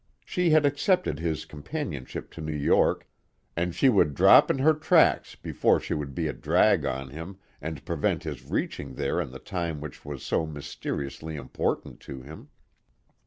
She had accepted his companionship to New York, and she would drop in her tracks before she would be a drag on him and prevent his reaching there in the time which was so mysteriously important to him.